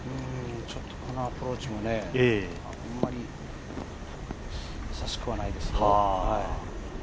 このアプローチもあんまり易しくはないですよ。